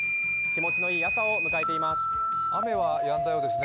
気持ちのいい朝を迎えています。